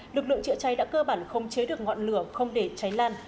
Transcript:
lực lượng chữa cháy đã cơ bản không chế được ngọn lửa không để cháy lan